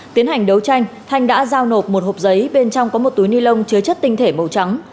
tiến hành đấu tranh thanh đã giao nộp một hộp giấy bên trong có một túi ni lông chứa chất tinh thể màu trắng